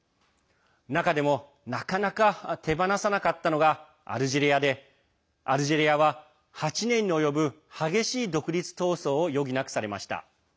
中でも、なかなか手放さなかったのがアルジェリアでアルジェリアは８年に及ぶ激しい独立闘争を余儀なくされました。